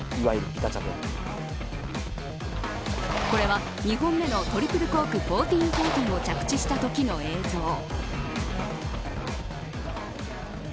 これは２本目のトリプルコーク１４４０を着地したときの映像。